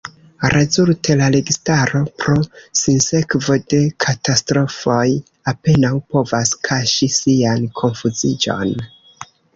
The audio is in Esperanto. Rezulte la registaro, pro sinsekvo de katastrofoj, apenaŭ povas kaŝi sian konfuziĝon.